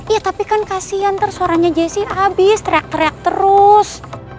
ya tapi kan kasian ntar suaranya jessy abis teriak teriak terus